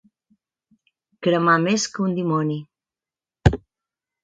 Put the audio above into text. Cremar més que un dimoni.